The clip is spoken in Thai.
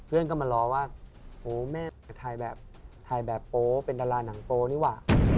เพื่อนก็มาร้องว่าโอ้แม่ถ่ายแบบโปรเป็นดาราหนังโปรนี่วะ